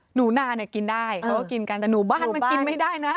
หนูนาเนี่ยกินได้เขาก็กินกันแต่หนูบ้านมันกินไม่ได้นะ